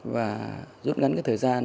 và rút ngắn thời gian